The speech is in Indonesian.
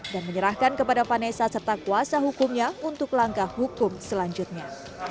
dan menyerahkan kepada vanessa serta kuasa hukumnya untuk langkah hukum selanjutnya